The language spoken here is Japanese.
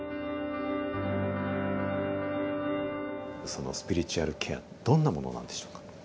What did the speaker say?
そのスピリチュアルケアどんなものなんでしょうか？